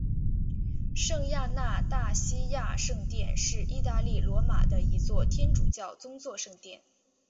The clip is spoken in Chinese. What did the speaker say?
圣亚纳大西亚圣殿是意大利罗马的一座天主教宗座圣殿。